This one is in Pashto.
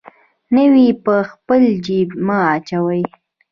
نورې په خپل جیب مه اچوه.